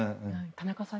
田中さん